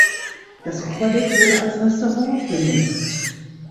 Das Oberdeck wurde als Restaurant genutzt.